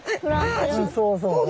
そうそう。